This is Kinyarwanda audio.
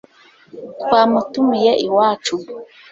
twamutumiye iwacu